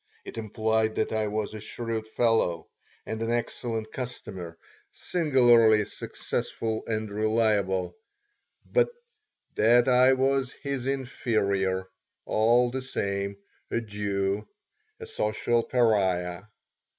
It implied that I was a shrewd fellow and an excellent customer, singularly successful and reliable, but that I was his inferior, all the same a Jew, a social pariah.